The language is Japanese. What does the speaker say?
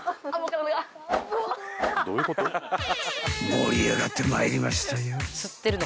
［盛り上がってまいりましたよ］